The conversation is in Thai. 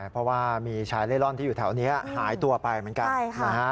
เพราะว่ามีชายเล่ร่อนที่อยู่แถวนี้หายตัวไปเหมือนกัน